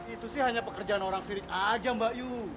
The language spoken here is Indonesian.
itu sih hanya pekerjaan orang sirik aja mbak yu